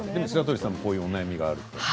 白鳥さんもこういうお悩みがあると。